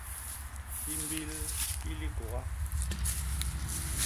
Himbil i likôga.